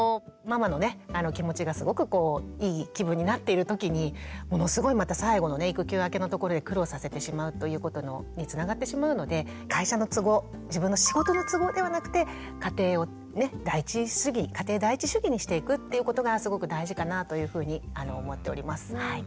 気持ちがすごくいい気分になっている時にものすごいまた最後のね育休明けのところで苦労させてしまうということにつながってしまうので会社の都合自分の仕事の都合ではなくて家庭第一主義にしていくっていうことがすごく大事かなというふうに思っております。